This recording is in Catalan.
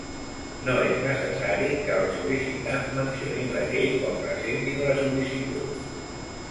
No és necessari que els sol·licitants mencionin la llei quan pressentin la sol·licitud.